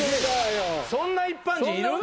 そんな一般人いる？